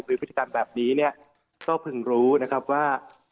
พฤติกรรมแบบนี้เนี่ยก็เพิ่งรู้นะครับว่า